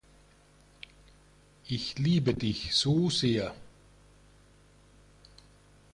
Ich liebe dich so sehr.